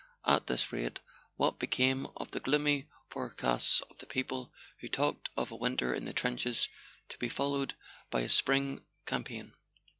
At this rate, what became of the gloomy forecasts of the people who talked of a winter in the trenches, to be followed by a spring campaign?